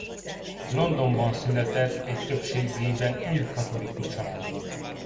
Londonban született egy többségében ír katolikus családban.